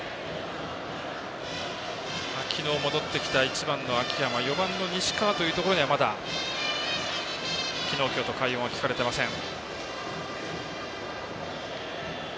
昨日戻ってきた１番の秋山４番の西川というところにはまだ、昨日、今日と快音は聞かれていません。